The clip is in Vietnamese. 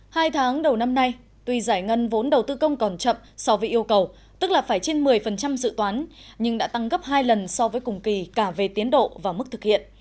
hai tháng đầu năm nay tuy giải ngân vốn đầu tư công còn chậm so với yêu cầu tức là phải trên một mươi dự toán nhưng đã tăng gấp hai lần so với cùng kỳ cả về tiến độ và mức thực hiện